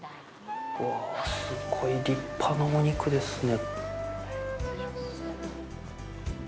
うわぁ、すごい立派なお肉ですね。